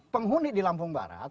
penghuni di lampung barat